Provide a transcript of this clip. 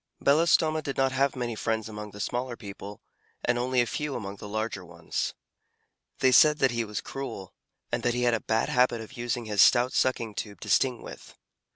Belostoma did not have many friends among the smaller people, and only a few among the larger ones. They said that he was cruel, and that he had a bad habit of using his stout sucking tube to sting with.